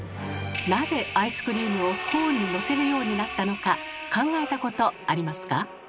なぜアイスクリームをコーンにのせるようになったのか考えたことありますか？